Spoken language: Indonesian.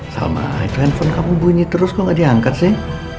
salmah itu handphone kamu bunyi terus kok gak diangkat sih